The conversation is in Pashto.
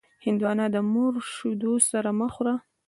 هندوانه د مور شیدو سره مه خوره.